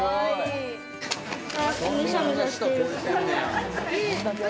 むしゃむしゃしてる。